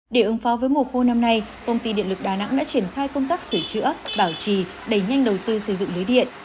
để ứng phó với mùa khô năm nay công ty điện lực đà nẵng đã triển khai công tác sửa chữa bảo trì đẩy nhanh đầu tư xây dựng lưới điện